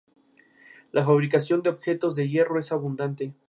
La fabricación de objetos de hierro es abundante.